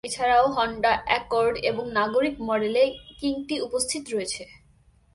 এছাড়াও, Honda Accord এবং নাগরিক মডেলে কিঙ্কটি উপস্থিত রয়েছে।